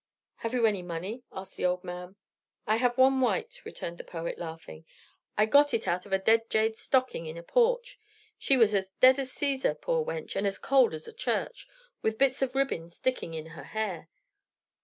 "Have you any money?" asked the old man. "I have one white," returned the poet, laughing. "I got it out of a dead jade's stocking in a porch. She was as dead as Caesar, poor wench, and as cold as a church, with bits of ribbon sticking in her hair.